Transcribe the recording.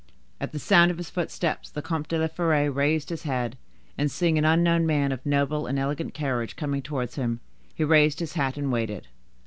At the sound of his footsteps, the Comte de la Fere raised his head, and seeing an unknown man of noble and elegant carriage coming towards him, he raised his hat and waited.